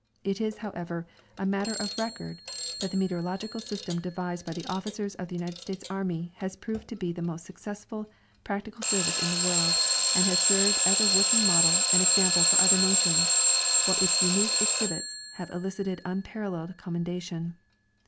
It is, however, a matter of record that the meteorological system de vised b}^ officers of the United States army has proved to lie the" most successful })ractical service in the world, and has served as a working model and example for other nations, while its unique exhibits have elicited un]3aralleled commendation.